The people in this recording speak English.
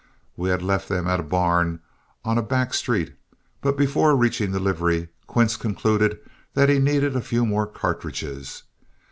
We had left them at a barn on a back street, but before reaching the livery, Quince concluded that he needed a few more cartridges.